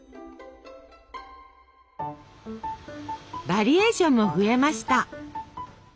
バリエーションも増えました。